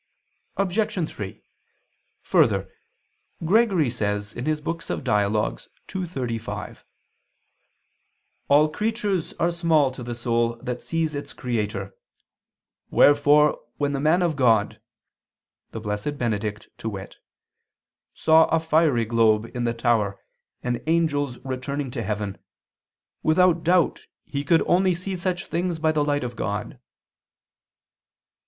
Obj. 3: Further, Gregory says (Dial. ii, 35): "All creatures are small to the soul that sees its Creator: wherefore when the man of God," the blessed Benedict, to wit, "saw a fiery globe in the tower and angels returning to heaven, without doubt he could only see such things by the light of God."